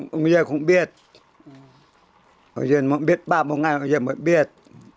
hồi giờ không biết hồi giờ không biết ba bốn ngày hồi giờ mới biết